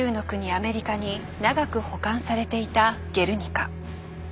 アメリカに長く保管されていた「ゲルニカ」。